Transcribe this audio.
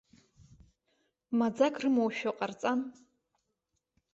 Маӡак рымоушәа ҟарҵан.